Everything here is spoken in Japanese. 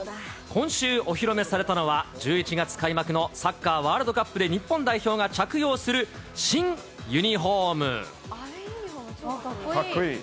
今週、お披露目されたのが、１１月開幕のサッカーワールドカップで日本代表が着用する新ユニかっこいい。